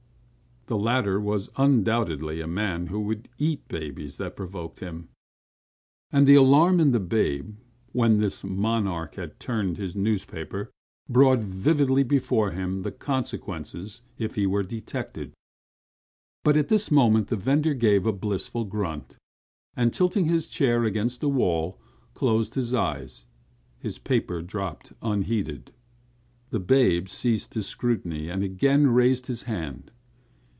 The latter was undoubtedly a man who would eat babes that provoked him. And the alarm in the babe when this monarch had turned his newspaper brought vividly before him the consequences if he were detected. But at this moment the vendor gave a blissful grunt, and tilting his chair against a wall, closed his eyes. His paper dropped unheeded. The babe ceased his scrutiny and again raised his hand.